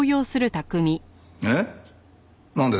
えっ？